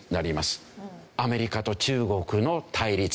アメリカと中国の対立。